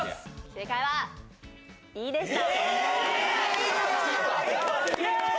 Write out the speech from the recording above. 正解は、Ｅでした。